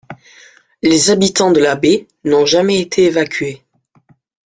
Les habitants de la baie n'ont jamais été évacués.